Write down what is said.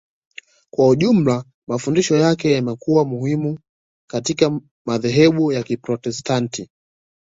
Kwa jumla mafundisho yake yamekuwa muhimu katika madhehebu yote ya Kiprotestanti